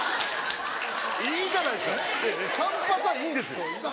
いいじゃないですか散髪はいいんですよ。